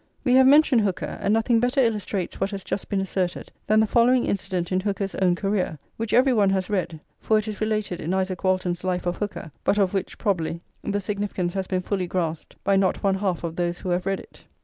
We have mentioned Hooker, and nothing better illustrates what has just been asserted than the following incident in Hooker's own career, which every one has read, for it is related in Isaac Walton's Life of Hooker, but of which, [xxxviii] probably, the significance has been fully grasped by not one half of those who have read it.